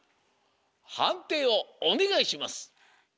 はんていをおねがいします。